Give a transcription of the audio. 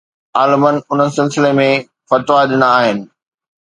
عالمن ان سلسلي ۾ فتوا ڏنا آهن